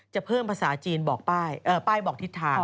จะเพิ่มภาษาจีนบอกป้ายบอกทิศทาง